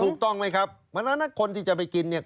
ถูกต้องไหมครับเหมือนละคนที่จะไปกินเนี่ย